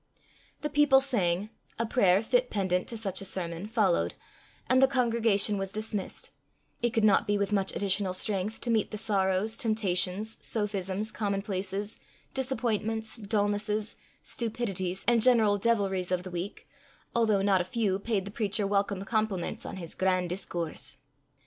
The people sang; a prayer, fit pendent to such a sermon, followed, and the congregation was dismissed it could not be with much additional strength to meet the sorrows, temptations, sophisms, commonplaces, disappointments, dulnesses, stupidities, and general devilries of the week, although not a few paid the preacher welcome compliments on his "gran' discoorse."